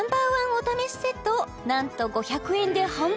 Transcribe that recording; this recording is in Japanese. おためしセットをなんと５００円で販売中！